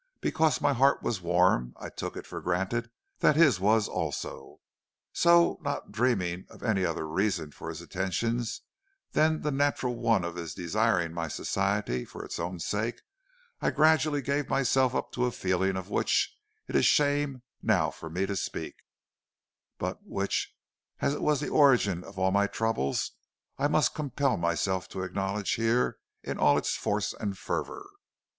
Because my heart was warm I took it for granted that his was so also, and not dreaming of any other reason for his attentions than the natural one of his desiring my society for its own sake, I gradually gave myself up to a feeling of which it is shame now for me to speak, but which, as it was the origin of all my troubles, I must compel myself to acknowledge here in all its force and fervor.